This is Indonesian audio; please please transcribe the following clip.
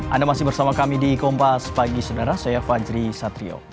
anda masih bersama kami di kompas pagi saudara saya fajri satrio